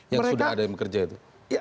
yang sudah ada yang bekerja itu